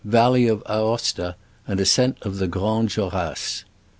VALLEY OF AOSTA, AND ASCENT OF THE GR ANDES JOR ASSES.